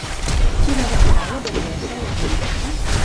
Què va demanar la batllessa a la ministra?